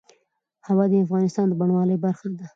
هوا د افغانستان د بڼوالۍ برخه ده.